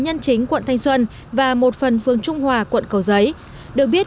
nhân chính quận thanh xuân và một phần phương trung hòa quận cầu giấy được biết